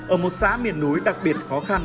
ở một xã miền núi đặc biệt khó khăn